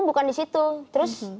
bukan disitu terus